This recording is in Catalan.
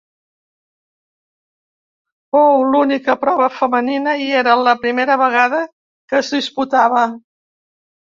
Fou l'única prova femenina i era la primera vegada que es disputava.